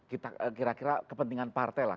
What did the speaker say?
kita kira kira kepentingan partai lah